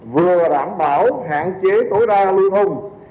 vừa đảm bảo hạn chế tối đa lưu thông